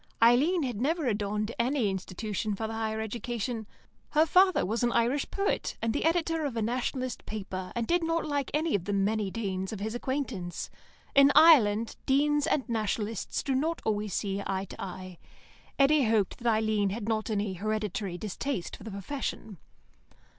Eileen had never adorned any institution for the higher education. Her father was an Irish poet, and the editor of a Nationalist paper, and did not like any of the many Deans of his acquaintance. In Ireland, Deans and Nationalists do not always see eye to eye. Eddy hoped that Eileen had not any hereditary distaste for the profession.